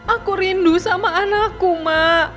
aku rindu sama anakku mak